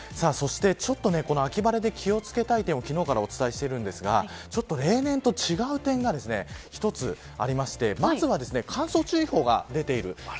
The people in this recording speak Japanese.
そして秋晴れで気を付けたい点を昨日からお伝えしているんですが例年と違う点が一つありましてまずは乾燥注意報が出ている。